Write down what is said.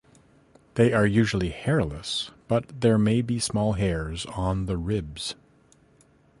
They are usually hairless but there may be small hairs on the ribs.